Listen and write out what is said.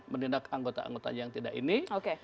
menindak anggota anggotanya yang tidak ini